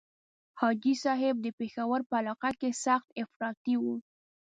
حاجي صاحب د پېښور په علاقه کې سخت افراطي وو.